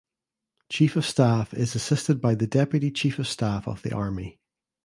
Chief of Staff is assisted by the Deputy Chief of Staff of the Army.